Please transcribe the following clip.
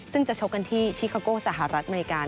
ซึ่งจะชกกันที่ชิคาโก้สหรัฐอเมริกา